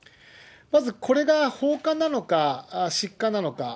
まずこれが放火なのか、失火なのか。